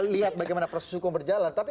lihat bagaimana proses hukum berjalan tapi